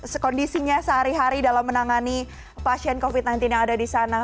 sekondisinya sehari hari dalam menangani pasien covid sembilan belas yang ada di sana